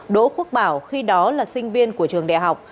đỗ quốc bảo khi đó là sinh viên của trường đại học